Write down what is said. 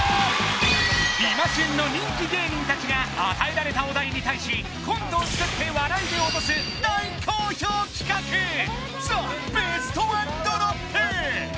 今旬の人気芸人達が与えられたお題に対しコントを作って笑いでオトす大好評企画ザ・ベストワンドロップ